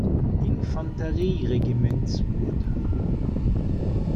Infanterieregiments wurde.